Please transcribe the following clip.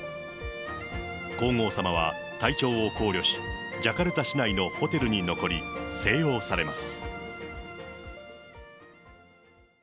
皇后さまは体調を考慮し、ジャカルタ市内のホテルに残り静養されます。